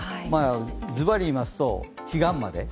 ズバリ言いますと、彼岸まで。